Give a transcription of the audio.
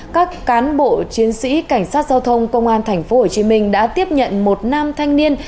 các cán bộ chiến sĩ cảnh sát giao thông công an tp hcm đã tiếp nhận một nam thanh niên